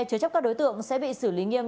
chứa chấp các đối tượng sẽ bị xử lý nghiêm